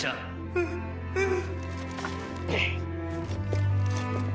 うんうん！